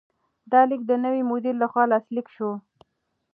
دا لیک د نوي مدیر لخوا لاسلیک شو.